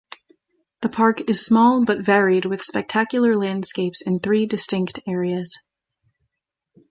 The park is small but varied with spectacular landscapes in three distinct areas.